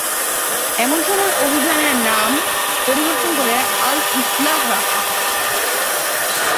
এসময় অভিযান নাম পরিবর্তন করে আল ইসলাহ রাখা হয়।